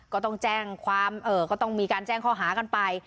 ก็ต้องแจ้งความก็ต้องมีการแจ้งข้อหากันไป